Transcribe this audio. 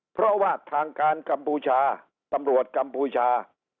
เพราะว่าทางการกัมพูชาตำรวจกัมพูชา